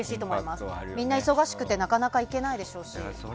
みんな忙しくてなかなか行けないでしょうし。